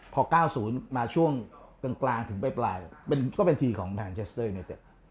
พอ๙๐มาช่วงกลางถึงปลายก็เป็นทีของแพนเชสเตอร์ยูเนเต็ด